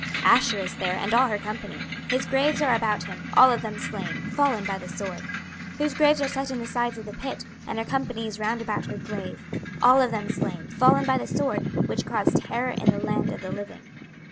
26:032:022 Asshur is there and all her company: his graves are about him: all of them slain, fallen by the sword: 26:032:023 Whose graves are set in the sides of the pit, and her company is round about her grave: all of them slain, fallen by the sword, which caused terror in the land of the living.